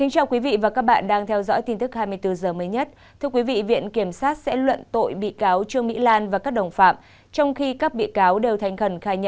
các bạn hãy đăng ký kênh để ủng hộ kênh của chúng mình nhé